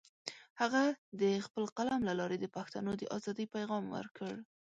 هغه د خپل قلم له لارې د پښتنو د ازادۍ پیغام ورکړ.